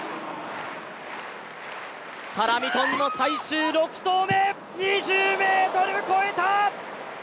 サラ・ミトン、最終６投目、２０ｍ越えた！